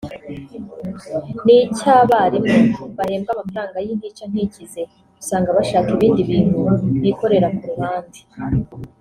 n’icy’abarimu bahembwa amafaranga y’intica ntikize usanga bashaka ibindi bintu bikorera ku ruhande